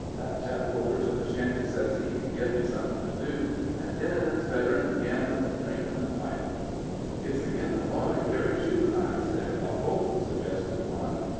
The chap over to the shanty sez he ken git me somethin' to do, an' ennythin's better'n gamblin', drinkin', and fightin'. "It's agin the law to kerry shootin' irons there, Buffle," suggested one.